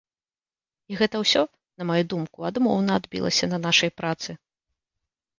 І гэта ўсё, на маю думку, адмоўна адбілася на нашай працы.